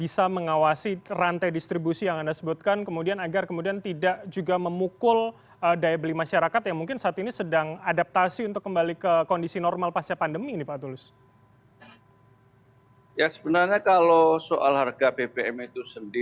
sendiri sebagian masyarakat